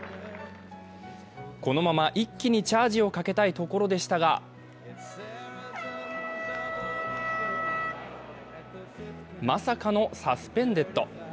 このまま一気にチャージをかけたいところでしたがまさかのサスペンデッド。